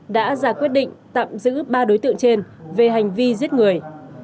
đã ra quyết định tạm giữ ba đối tượng trên về hành vi giết người